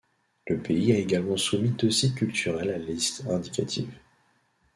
Le pays a également soumis deux sites culturels à la liste indicative.